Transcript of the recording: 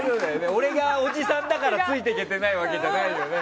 俺がおじさんだからついていけてないわけじゃないですよね。